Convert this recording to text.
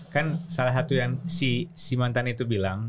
kan salah satu yang si mantan itu bilang